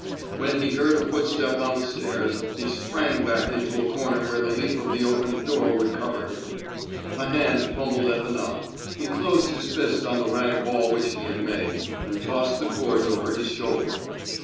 When he heard a footstep on the stairs, he sprang back into a comer where the leaf of the opened door would cover him. A hand fumbled at the knob; he closed his fist on the rag ball which he had made, and tossed the cords over his shoulder.